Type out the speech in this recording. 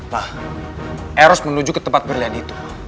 nah eros menuju ke tempat berlian itu